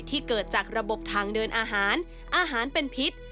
เกิดจากระบบทางเดินอาหารอาหารเป็นพิษ